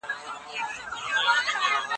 په شتمنۍ کي د بې وزلو خلګو برخه سته.